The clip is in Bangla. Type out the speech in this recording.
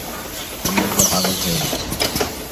এই মহিলা পাগল হয়ে গেছে!